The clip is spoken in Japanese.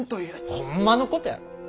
ほんまのことやろ！